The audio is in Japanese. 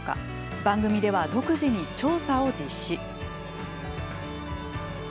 番組では独自に調査を実施。